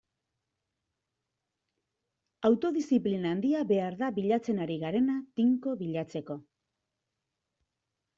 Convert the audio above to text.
Autodiziplina handia behar da bilatzen ari garena tinko bilatzeko.